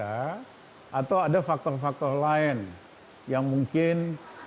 atau ada faktor faktor lain yang mungkin